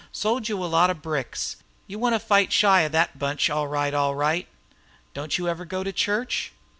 Sold you a lot of bricks. You want to fight shy of thet bunch, all right, all right." "Don't you ever go to church?"